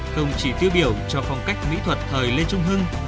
không chỉ tiêu biểu cho phong cách mỹ thuật thời lê trung hưng